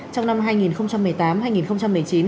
trong năm hai nghìn một mươi tám hai nghìn một mươi chín